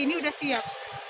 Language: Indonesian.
ini udah siap